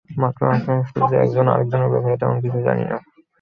মাত্রই মাথায় আসলো যে আমরা একজন আরেকজনের ব্যাপারে তেমন কিছুই জানি না!